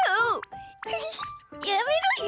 やめろよ！